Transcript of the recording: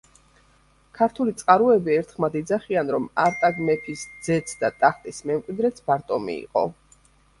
ქართული წყაროები ერთხმად იძახიან რომ არტაგ მეფის ძეც და ტახტის მემკვიდრეც ბარტომი იყო.